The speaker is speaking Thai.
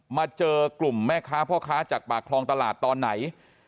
มาเจอกลุ่มแม่ค้าพ่อค้าจากปากคลองตลาดตอนไหน